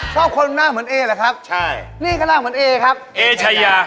ชอบคนหน้าเหมือนเอเหรอครับใช่นี่ก็ร่างเหมือนเอครับเอชายา